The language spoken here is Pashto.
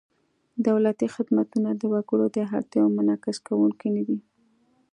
دولتي خدمتونه د وګړو د اړتیاوو منعکس کوونکي نهدي.